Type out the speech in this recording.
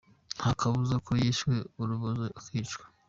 "Nta kabuza ko yishwe urubozo akicwa".